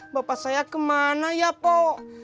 bapak saya kemana ya po